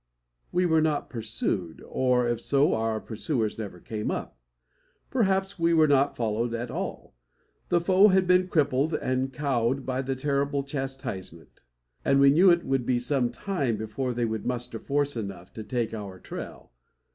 We were not pursued; or, if so, our pursuers never came up. Perhaps we were not followed at all. The foe had been crippled and cowed by the terrible chastisement, and we knew it would be some time before they could muster force enough to take our trail.